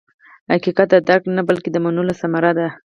حقیقت د درک نه، بلکې د منلو ثمره ده.